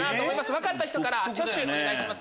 分かった人から挙手お願いします。